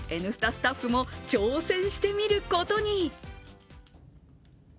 」スタッフも挑戦してみることに。